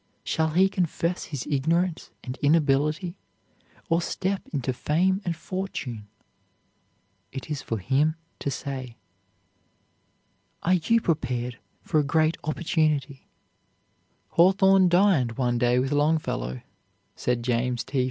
Shall he confess his ignorance and inability, or step into fame and fortune? It is for him to say." Are you prepared for a great opportunity? "Hawthorne dined one day with Longfellow," said James T.